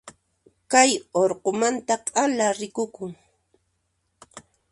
Kay urqumanta k'ala rikukun.